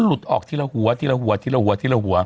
หลุดออกทีละหัวทีละหัวทีละหัวทีละหัว